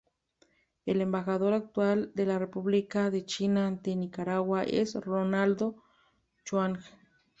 El embajador actual de la República de China ante Nicaragua es Rolando Chuang.